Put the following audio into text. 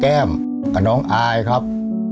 ก็คือแก้มกับน้องอายครับ